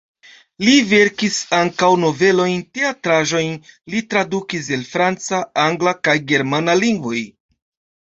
Li verkis ankaŭ novelojn, teatraĵojn, li tradukis el franca, angla kaj germana lingvoj.